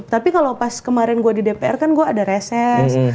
tapi kalau pas kemarin gue di dpr kan gue ada reses